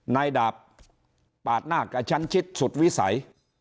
นายดาบปาดหน้ากระชั้นชิดสุดวิสัย